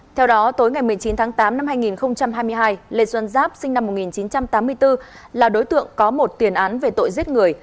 theo đó tối ngày một mươi chín tháng tám năm hai nghìn hai mươi hai lê xuân giáp sinh năm một nghìn chín trăm tám mươi bốn là đối tượng có một tiền án về tội giết người